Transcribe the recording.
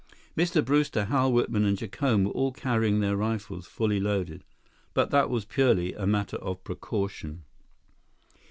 Mr. Brewster, Hal Whitman, and Jacome were all carrying their rifles, fully loaded, but that was purely a matter of precaution.